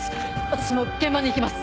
私も現場に行きます。